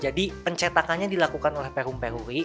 jadi pencatakannya dilakukan oleh perum peruri